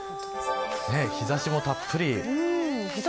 日差しもたっぷり。